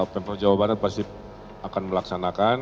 pemprov jawa barat pasti akan melaksanakan